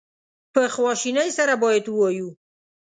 په خواشینی سره باید ووایو.